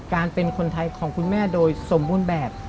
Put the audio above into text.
เป็นคนไทยของคุณแม่โดยสมบูรณ์แบบ